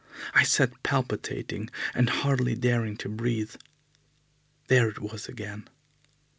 I sat palpitating and hardly daring to breathe. There it was again!